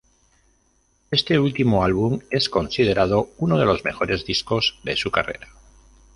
Este último álbum es considerado uno de los mejores discos de su carrera.